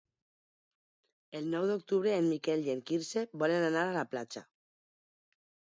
El nou d'octubre en Miquel i en Quirze volen anar a la platja.